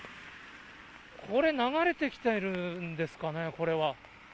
これ、流れてきてるんですかね。